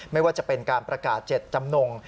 ไม่ว่าจะเป็นการประกาศเจ็ดจำนง